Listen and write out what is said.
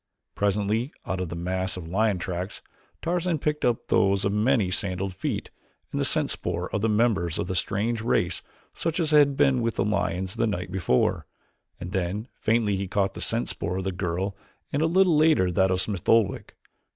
Presently out of the mass of lion tracks, Tarzan picked up those of many sandaled feet and the scent spoor of the members of the strange race such as had been with the lions the night before, and then faintly he caught the scent spoor of the girl and a little later that of Smith Oldwick.